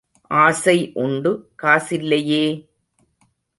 ஆசை உண்டு காசில்லேயே!